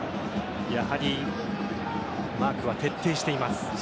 やはりマークは徹底しています。